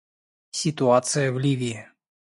Ситуация в Ливии.